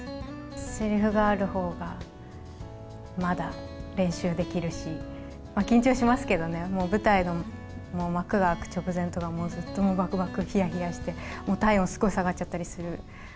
せりふがあるほうがまだ練習できるし、緊張しますけどね、もう舞台の幕が開く直前とかも、もうずっとばくばく、ひやひやして、もう体温すごい下がっちゃったりする。